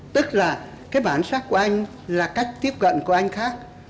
tức là cái bản sắc của anh là cách tiếp cận của anh khác